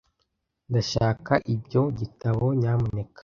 Ndashaka ibyo gitabo, nyamuneka.